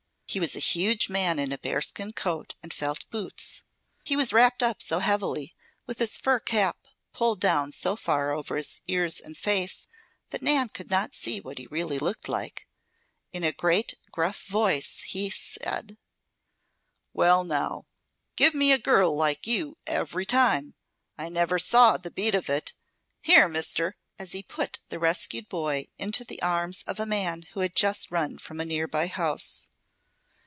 He was a huge man in a bearskin coat and felt boots. He was wrapped up so heavily, and his fur cap was pulled down so far over his ears and face, that Nan could not see what he really looked like. In a great, gruff voice he said: "Well, now! Give me a girl like you ev'ry time! I never saw the beat of it. Here, mister!" as he put the rescued boy into the arms of a man who had just run from a nearby house.